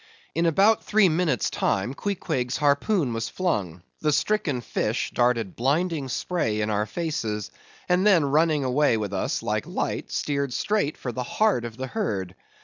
In about three minutes' time, Queequeg's harpoon was flung; the stricken fish darted blinding spray in our faces, and then running away with us like light, steered straight for the heart of the herd.